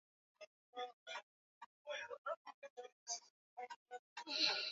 Mlango umefungwa